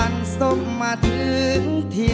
นะคะมันนี่